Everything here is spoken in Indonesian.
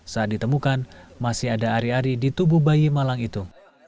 saat ditemukan masih ada ari ari di tubuh bayi malang itu